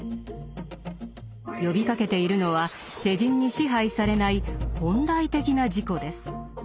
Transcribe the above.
呼びかけているのは世人に支配されない「本来的な自己」です。